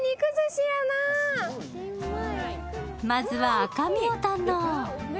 まずは赤身を堪能。